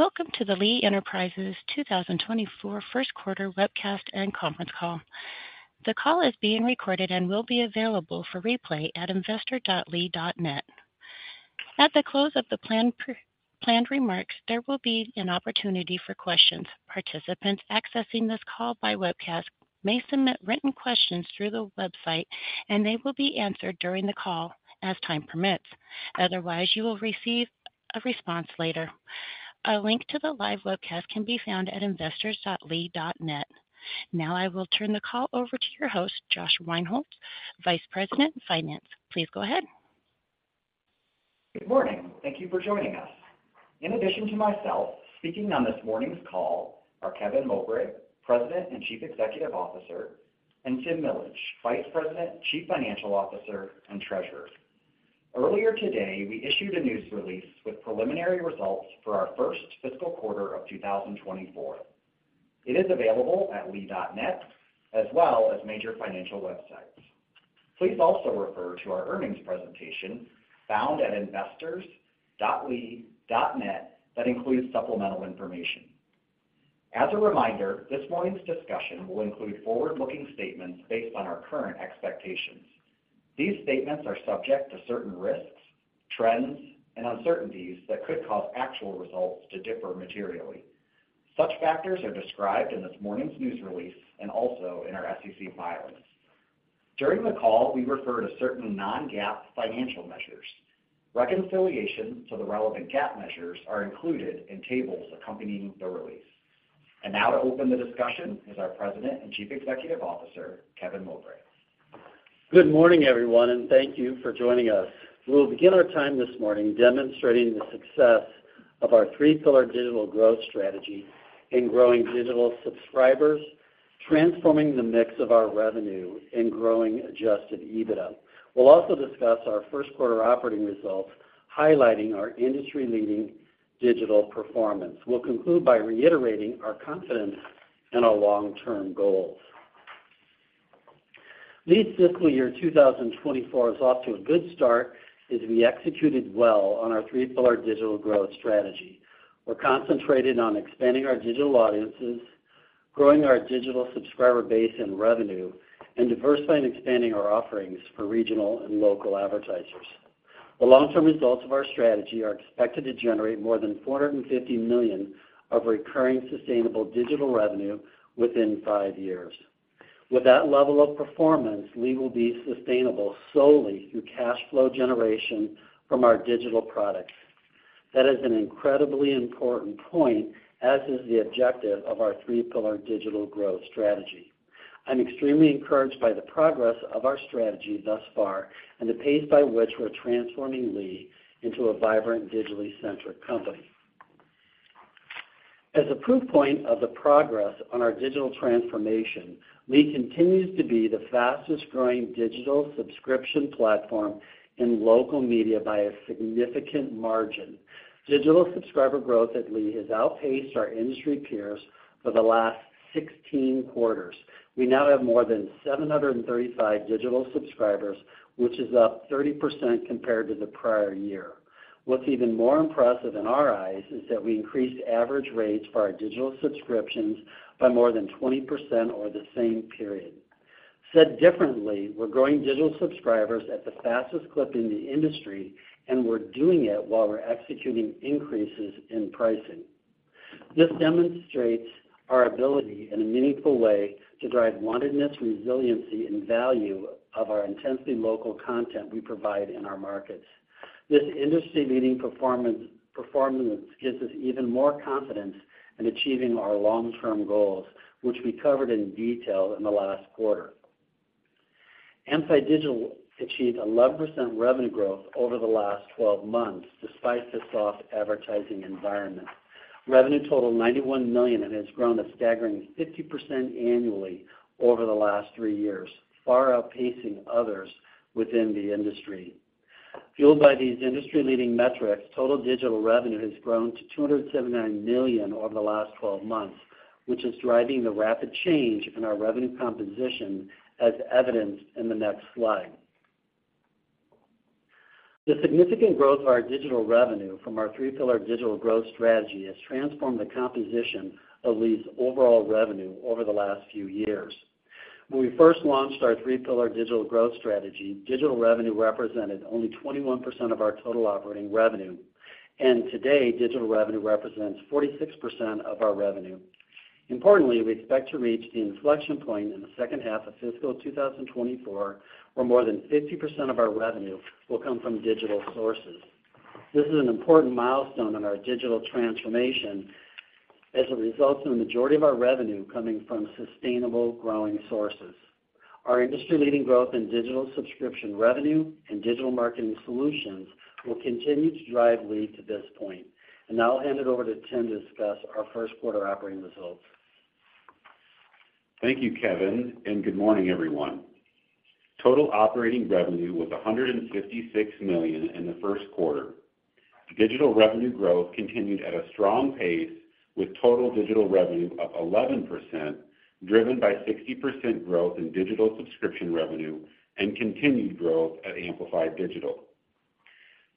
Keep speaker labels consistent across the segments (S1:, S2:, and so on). S1: Welcome to the Lee Enterprises 2024 first quarter webcast and conference call. The call is being recorded and will be available for replay at investor.lee.net. At the close of the planned remarks, there will be an opportunity for questions. Participants accessing this call by webcast may submit written questions through the website, and they will be answered during the call as time permits. Otherwise, you will receive a response later. A link to the live webcast can be found at investors.lee.net. Now I will turn the call over to your host, Josh Rinehults, Vice President, Finance. Please go ahead.
S2: Good morning. Thank you for joining us. In addition to myself, speaking on this morning's call are Kevin Mowbray, President and Chief Executive Officer, and Tim Millage, Vice President, Chief Financial Officer, and Treasurer. Earlier today, we issued a news release with preliminary results for our first fiscal quarter of 2024. It is available at lee.net, as well as major financial websites. Please also refer to our earnings presentation found at investors.lee.net that includes supplemental information. As a reminder, this morning's discussion will include forward-looking statements based on our current expectations. These statements are subject to certain risks, trends, and uncertainties that could cause actual results to differ materially. Such factors are described in this morning's news release and also in our SEC filings. During the call, we refer to certain non-GAAP financial measures. Reconciliation to the relevant GAAP measures are included in tables accompanying the release. Now to open the discussion is our President and Chief Executive Officer, Kevin Mowbray.
S3: Good morning, everyone, and thank you for joining us. We'll begin our time this morning demonstrating the success of our Three-Pillar Digital Growth Strategy in growing digital subscribers, transforming the mix of our revenue, and growing Adjusted EBITDA. We'll also discuss our first quarter operating results, highlighting our industry-leading digital performance. We'll conclude by reiterating our confidence in our long-term goals. Lee's fiscal year 2024 is off to a good start as we executed well on our Three-Pillar Digital Growth Strategy. We're concentrated on expanding our digital audiences, growing our digital subscriber base and revenue, and diversifying and expanding our offerings for regional and local advertisers. The long-term results of our strategy are expected to generate more than $450 million of recurring, sustainable digital revenue within five years. With that level of performance, Lee will be sustainable solely through cash flow generation from our digital products. That is an incredibly important point, as is the objective of our Three-Pillar Digital Growth Strategy. I'm extremely encouraged by the progress of our strategy thus far and the pace by which we're transforming Lee into a vibrant, digitally centric company. As a proof point of the progress on our digital transformation, Lee continues to be the fastest-growing digital subscription platform in local media by a significant margin. Digital subscriber growth at Lee has outpaced our industry peers for the last 16 quarters. We now have more than 735 digital subscribers, which is up 30% compared to the prior year. What's even more impressive in our eyes, is that we increased average rates for our digital subscriptions by more than 20% over the same period. Said differently, we're growing digital subscribers at the fastest clip in the industry, and we're doing it while we're executing increases in pricing. This demonstrates our ability in a meaningful way to drive wantedness, resiliency, and value of our intensely local content we provide in our markets. This industry-leading performance gives us even more confidence in achieving our long-term goals, which we covered in detail in the last quarter. Amplified Digital achieved 11% revenue growth over the last 12 months, despite the soft advertising environment. Revenue totaled $91 million and has grown a staggering 50% annually over the last three years, far outpacing others within the industry. Fueled by these industry-leading metrics, total digital revenue has grown to $279 million over the last 12 months, which is driving the rapid change in our revenue composition, as evidenced in the next slide. The significant growth of our digital revenue from our Three-Pillar Digital Growth Strategy has transformed the composition of Lee's overall revenue over the last few years. When we first launched our Three-Pillar Digital Growth Strategy, digital revenue represented only 21% of our total operating revenue, and today, digital revenue represents 46% of our revenue. Importantly, we expect to reach the inflection point in the second half of fiscal 2024, where more than 50% of our revenue will come from digital sources. This is an important milestone in our digital transformation, as it results in the majority of our revenue coming from sustainable, growing sources. Our industry-leading growth in digital subscription revenue and digital marketing solutions will continue to drive Lee to this point. Now I'll hand it over to Tim to discuss our first quarter operating results.
S4: Thank you, Kevin, and good morning, everyone. Total operating revenue was $156 million in the first quarter. Digital revenue growth continued at a strong pace with total digital revenue up 11%, driven by 60% growth in digital subscription revenue and continued growth at Amplified Digital.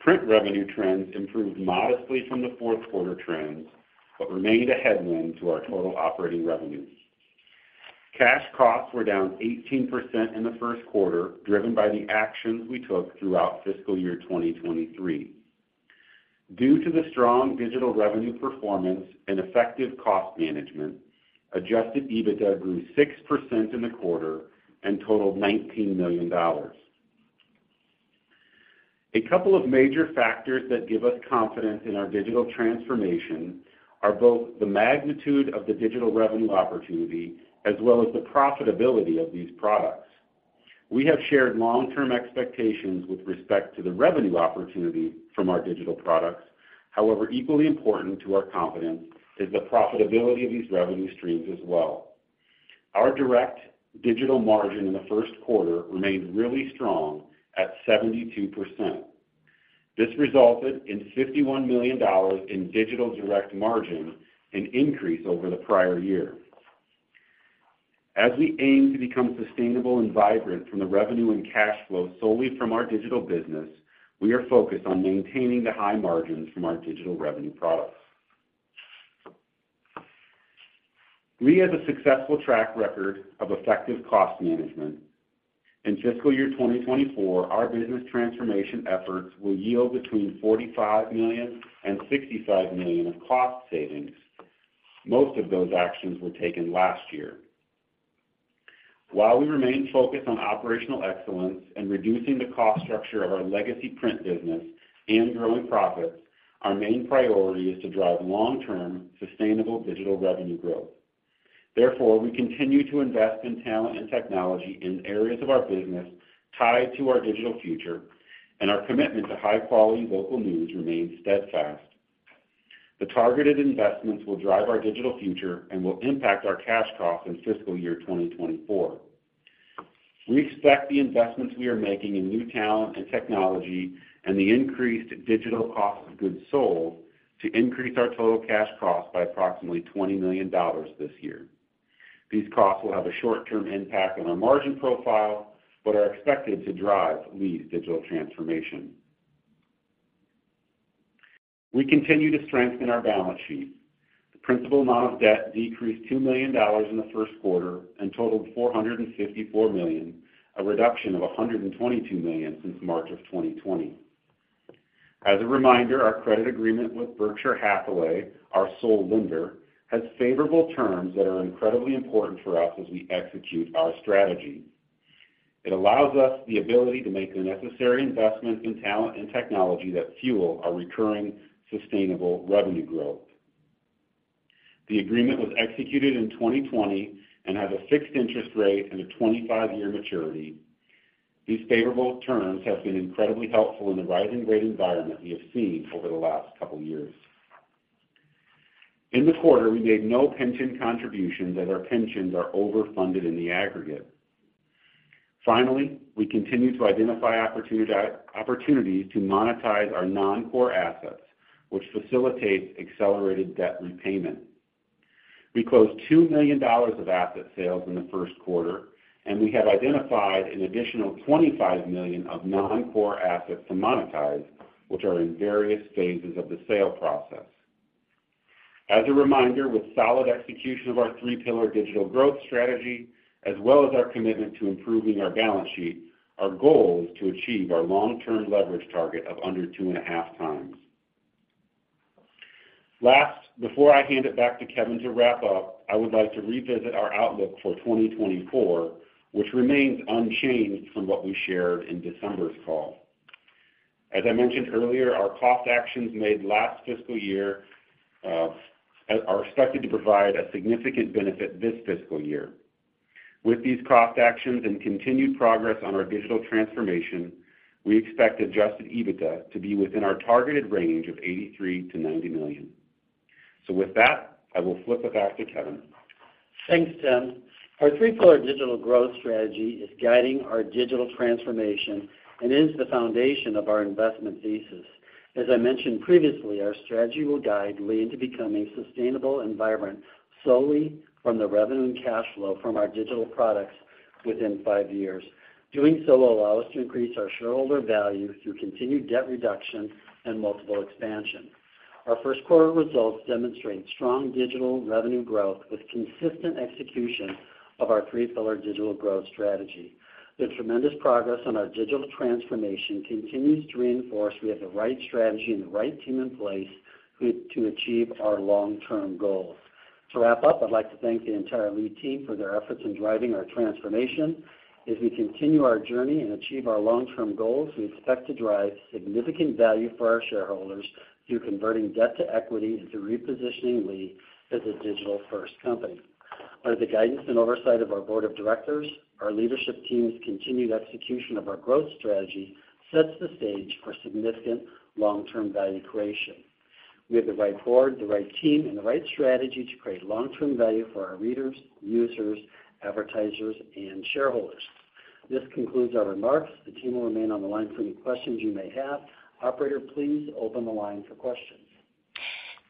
S4: Print revenue trends improved modestly from the fourth quarter trends but remained a headwind to our total operating revenue. Cash costs were down 18% in the first quarter, driven by the actions we took throughout fiscal year 2023. Due to the strong digital revenue performance and effective cost management, Adjusted EBITDA grew 6% in the quarter and totaled $19 million. A couple of major factors that give us confidence in our digital transformation are both the magnitude of the digital revenue opportunity as well as the profitability of these products. We have shared long-term expectations with respect to the revenue opportunity from our digital products. However, equally important to our confidence is the profitability of these revenue streams as well. Our digital direct margin in the first quarter remained really strong at 72%. This resulted in $51 million in digital direct margin, an increase over the prior year. As we aim to become sustainable and vibrant from the revenue and cash flow solely from our digital business, we are focused on maintaining the high margins from our digital revenue products. Lee has a successful track record of effective cost management. In fiscal year 2024, our business transformation efforts will yield $45 million-$65 million of cost savings. Most of those actions were taken last year. While we remain focused on operational excellence and reducing the cost structure of our legacy print business and growing profits, our main priority is to drive long-term, sustainable digital revenue growth. Therefore, we continue to invest in talent and technology in areas of our business tied to our digital future, and our commitment to high-quality local news remains steadfast. The targeted investments will drive our digital future and will impact our cash costs in fiscal year 2024. We expect the investments we are making in new talent and technology and the increased digital cost of goods sold to increase our total cash costs by approximately $20 million this year. These costs will have a short-term impact on our margin profile, but are expected to drive Lee's digital transformation. We continue to strengthen our balance sheet. The principal amount of debt decreased $2 million in the first quarter and totaled $454 million, a reduction of $122 million since March 2020. As a reminder, our credit agreement with Berkshire Hathaway, our sole lender, has favorable terms that are incredibly important for us as we execute our strategy. It allows us the ability to make the necessary investments in talent and technology that fuel our recurring, sustainable revenue growth. The agreement was executed in 2020 and has a fixed interest rate and a 25-year maturity. These favorable terms have been incredibly helpful in the rising rate environment we have seen over the last couple of years. In the quarter, we made no pension contributions, as our pensions are overfunded in the aggregate. Finally, we continue to identify opportunities to monetize our noncore assets, which facilitates accelerated debt repayment. We closed $2 million of asset sales in the first quarter, and we have identified an additional $25 million of noncore assets to monetize, which are in various phases of the sale process. As a reminder, with solid execution of our Three-Pillar Digital Growth Strategy, as well as our commitment to improving our balance sheet, our goal is to achieve our long-term leverage target of under 2.5x. Last, before I hand it back to Kevin to wrap up, I would like to revisit our outlook for 2024, which remains unchanged from what we shared in December's call. As I mentioned earlier, our cost actions made last fiscal year are expected to provide a significant benefit this fiscal year. With these cost actions and continued progress on our digital transformation, we expect Adjusted EBITDA to be within our targeted range of $83 million-$90 million. So, with that, I will flip it back to Kevin.
S3: Thanks, Tim. Our Three-Pillar Digital Growth Strategy is guiding our digital transformation and is the foundation of our investment thesis. As I mentioned previously, our strategy will guide Lee into becoming sustainable and vibrant solely from the revenue and cash flow from our digital products within five years. Doing so will allow us to increase our shareholder value through continued debt reduction and multiple expansion. Our first quarter results demonstrate strong digital revenue growth with consistent execution of our Three-Pillar Digital Growth Strategy. The tremendous progress on our digital transformation continues to reinforce we have the right strategy and the right team in place to achieve our long-term goals. To wrap up, I'd like to thank the entire Lee team for their efforts in driving our transformation. As we continue our journey and achieve our long-term goals, we expect to drive significant value for our shareholders through converting debt to equity and through repositioning Lee as a digital-first company. Under the guidance and oversight of our board of directors, our leadership team's continued execution of our growth strategy sets the stage for significant long-term value creation. We have the right board, the right team, and the right strategy to create long-term value for our readers, users, advertisers, and shareholders.... This concludes our remarks. The team will remain on the line for any questions you may have. Operator, please open the line for questions.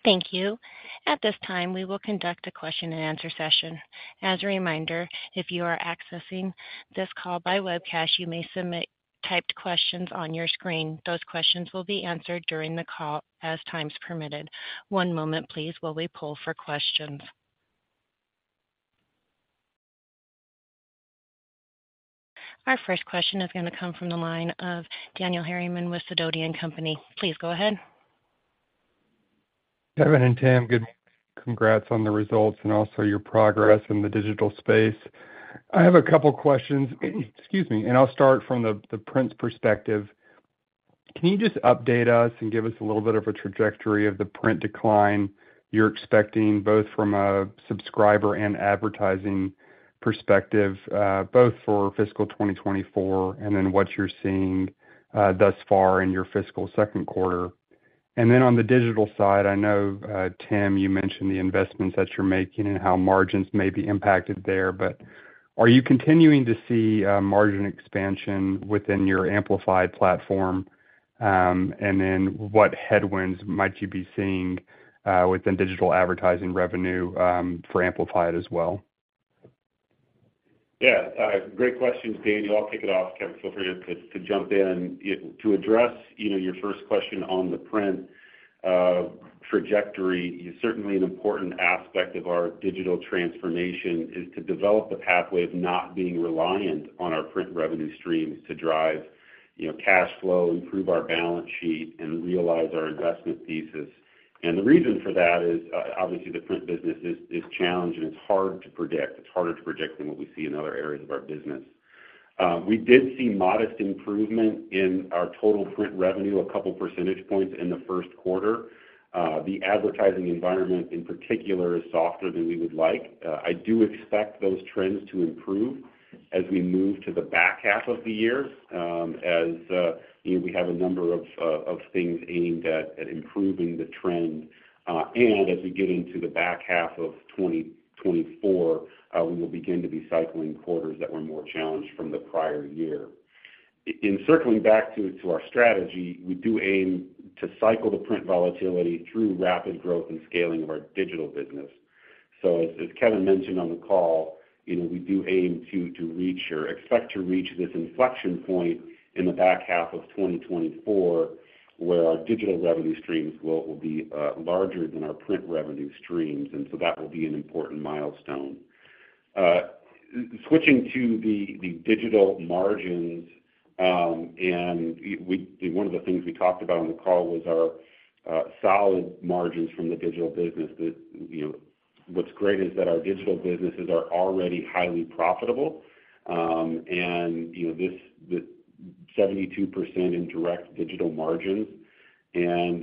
S1: Thank you. At this time, we will conduct a Q&A session. As a reminder, if you are accessing this call by webcast, you may submit typed questions on your screen. Those questions will be answered during the call as time's permitted. One moment, please, while we poll for questions. Our first question is gonna come from the line of Daniel Harriman with Sidoti & Company. Please go ahead.
S5: Kevin and Tim, good congrats on the results and also your progress in the digital space. I have a couple of questions, excuse me, and I'll start from the print perspective. Can you just update us and give us a little bit of a trajectory of the print decline you're expecting, both from a subscriber and advertising perspective, both for fiscal 2024, and then what you're seeing thus far in your fiscal second quarter? And then on the digital side, I know, Tim, you mentioned the investments that you're making and how margins may be impacted there, but are you continuing to see margin expansion within your Amplified platform? And then what headwinds might you be seeing within digital advertising revenue for Amplified as well?
S4: Yeah, great questions, Daniel. I'll kick it off, Kevin, feel free to jump in. To address, you know, your first question on the print trajectory, certainly an important aspect of our digital transformation is to develop a pathway of not being reliant on our print revenue streams to drive, you know, cash flow, improve our balance sheet, and realize our investment thesis. And the reason for that is, obviously, the print business is challenged and it's hard to predict. It's harder to predict than what we see in other areas of our business. We did see modest improvement in our total print revenue; a couple percentage points in the first quarter. The advertising environment, in particular, is softer than we would like. I do expect those trends to improve as we move to the back half of the year, as you know, we have a number of things aimed at improving the trend, and as we get into the back half of 2024, we will begin to be cycling quarters that were more challenged from the prior year. In circling back to our strategy, we do aim to cycle the print volatility through rapid growth and scaling of our digital business. So, as Kevin mentioned on the call, you know, we do aim to reach or expect to reach this inflection point in the back half of 2024, where our digital revenue streams will be larger than our print revenue streams, and so that will be an important milestone. Switching to the digital margins, one of the things we talked about on the call was our solid margins from the digital business. That, you know, what's great is that our digital businesses are already highly profitable, and, you know, this, the 72% in direct digital margins, and,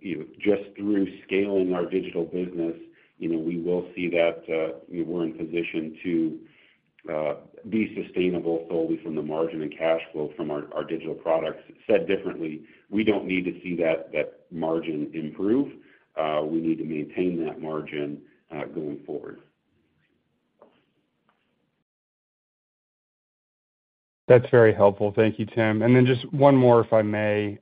S4: you know, just through scaling our digital business, you know, we will see that, we're in position to be sustainable solely from the margin and cash flow from our digital products. Said differently, we don't need to see that margin improve. We need to maintain that margin going forward.
S5: That's very helpful. Thank you, Tim. And then just one more, if I may.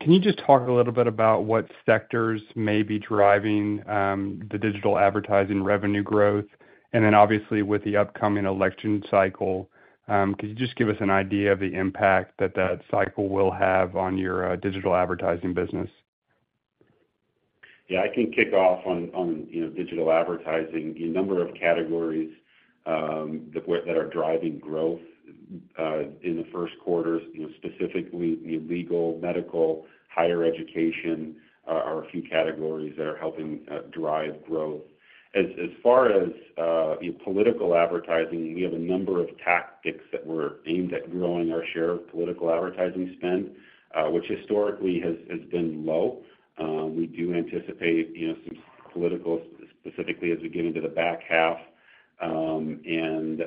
S5: Can you just talk a little bit about what sectors may be driving the digital advertising revenue growth? And then obviously, with the upcoming election cycle, could you just give us an idea of the impact that that cycle will have on your digital advertising business?
S4: Yeah, I can kick off on you know, digital advertising. A number of categories that we're-- that are driving growth in the first quarter, you know, specifically the legal, medical, higher education are a few categories that are helping drive growth. As far as political advertising, we have a number of tactics that were aimed at growing our share of political advertising spend, which historically has been low. We do anticipate, you know, some political, specifically as we get into the back half, and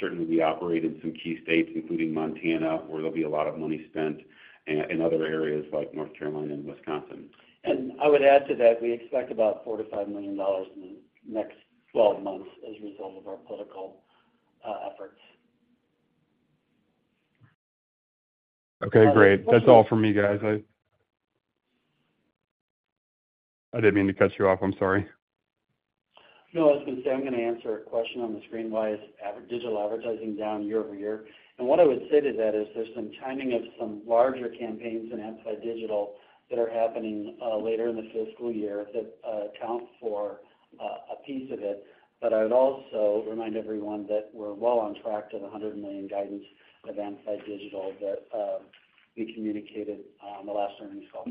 S4: certainly, we operate in some key states, including Montana, where there'll be a lot of money spent in other areas like North Carolina and Wisconsin.
S3: I would add to that, we expect about $4 million-$5 million in the next 12 months as a result of our political efforts.
S5: Okay, great. That's all for me, guys. I didn't mean to cut you off. I'm sorry.
S3: No, I was gonna say, I'm gonna answer a question on the screen: Why is digital advertising down year-over-year? And what I would say to that is there's some timing of some larger campaigns in Amplified Digital that are happening later in the fiscal year that account for a piece of it. But I would also remind everyone that we're well on track to the $100 million guidance of Amplified Digital that we communicated on the last earnings call.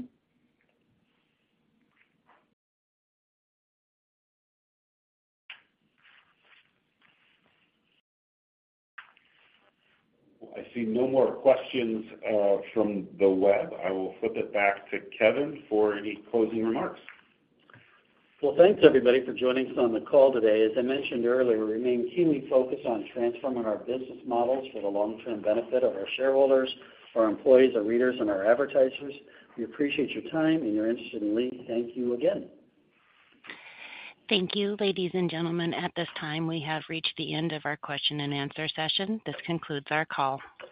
S4: I see no more questions, from the web. I will flip it back to Kevin for any closing remarks.
S3: Well, thanks everybody for joining us on the call today. As I mentioned earlier, we remain keenly focused on transforming our business models for the long-term benefit of our shareholders, our employees, our readers, and our advertisers. We appreciate your time and your interest in Lee. Thank you again.
S1: Thank you, ladies and gentlemen. At this time, we have reached the end of our Q&A session. This concludes our call.